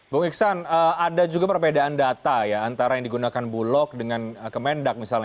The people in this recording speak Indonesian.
bung iksan ada juga perbedaan data ya antara yang digunakan bulog dengan kemendak misalnya